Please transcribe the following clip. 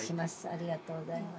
ありがとうございます。